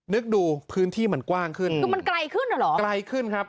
นึกดูพื้นที่มันกว้างขึ้นคือมันไกลขึ้นอ่ะเหรอไกลขึ้นครับ